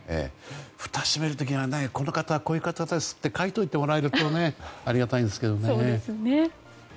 ふたを閉める時にはこの方はこういう方ですと書いておいていただけるとありがたいんですけどね。